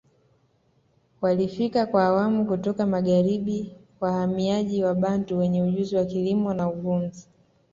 Walifika kwa awamu kutoka magharibi wahamiaji Wabantu wenye ujuzi wa kilimo na uhunzi